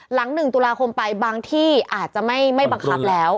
หลัง๑ตุลาคมไปบางที่อาจจะไม่บังคับแล้ว